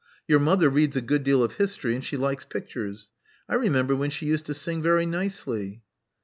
Your mother reads a good deal of history, and she likes pictures. I remember when she used to sing very nicely."